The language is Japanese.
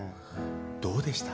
どうでした？